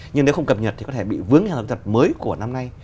nhưng nếu không cập nhật thì có thể bị vướng hàng rào kỹ thuật mới của năm nay